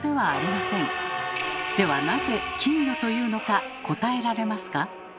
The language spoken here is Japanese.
ではなぜ金魚というのか答えられますか？